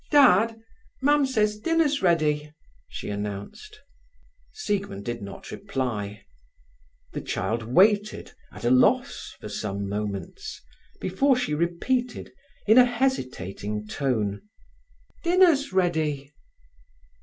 "Dad, Mam says dinner's ready," she announced. Siegmund did not reply. The child waited, at a loss for some moments, before she repeated, in a hesitating tone: "Dinner's ready."